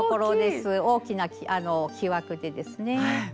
大きな木枠でですね。